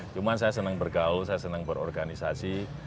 cuma saya senang bergaul saya senang berorganisasi